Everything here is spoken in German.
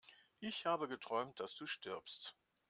Ich habe geträumt, dass du stirbst!